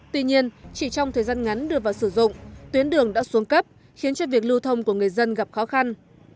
tuy nhiên chỉ trong thời gian ngắn đưa vào sử dụng tuyến đường đã xuống cấp khiến cho việc lưu thông của người dân gặp khó khăn